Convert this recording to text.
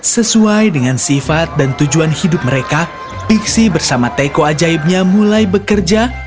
sesuai dengan sifat dan tujuan hidup mereka pixi bersama teko ajaibnya mulai bekerja